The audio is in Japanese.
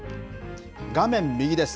画面右です。